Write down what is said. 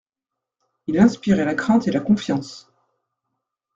Il inspirait la crainte et la confiance.